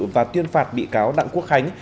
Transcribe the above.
và tuyên phạt bị cáo đặng quốc khánh